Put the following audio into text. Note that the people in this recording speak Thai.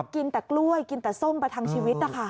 กินแต่กล้วยกินแต่ส้มประทังชีวิตนะคะ